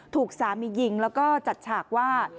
ถูกสามียิงแล้วก็จัดฉากว่า